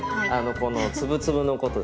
この粒々のことですね。